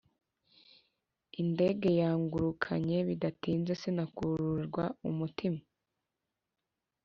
Indege yangurukanye bidatinze, Sinakurwa umutima